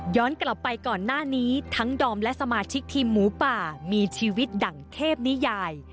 กลับไปก่อนหน้านี้ทั้งดอมและสมาชิกทีมหมูป่ามีชีวิตดั่งเทพนิยาย